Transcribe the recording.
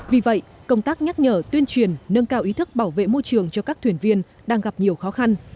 vì vậy công tác nhắc nhở tuyên truyền nâng cao ý thức bảo vệ môi trường cho các thuyền viên đang gặp nhiều khó khăn